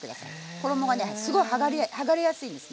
衣がねすごい剥がれやすいですね。